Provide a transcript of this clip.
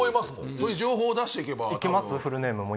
そういう情報を出していけば多分えっ？